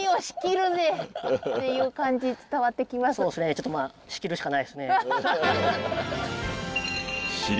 ちょっとまあ仕切るしかないですね。